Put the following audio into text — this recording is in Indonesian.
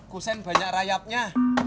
cusen banyak rayapnya